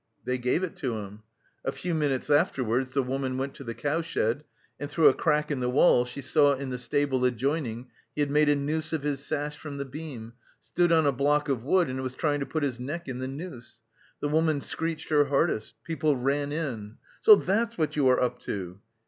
They gave it to him. A few minutes afterwards the woman went to the cowshed, and through a crack in the wall she saw in the stable adjoining he had made a noose of his sash from the beam, stood on a block of wood, and was trying to put his neck in the noose. The woman screeched her hardest; people ran in. 'So that's what you are up to!